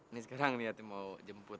nih sekarang liat nih mau jemput